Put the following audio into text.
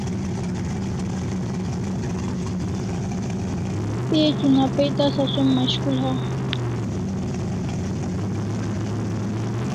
Page una pai tasa som mashkul ha